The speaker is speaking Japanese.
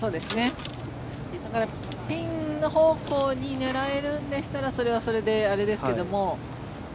だからピン方向に狙えるんでしたらそれはそれであれですが。